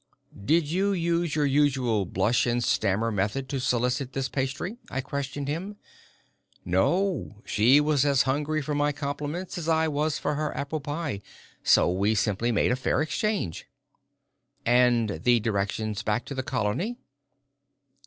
"Did you use your usual 'blush and stammer' method to solicit this pastry?" I questioned him. "No, she was as hungry for my compliments as I was for her apple pie, so we simply made a fair exchange." "And the directions back to the Colony?"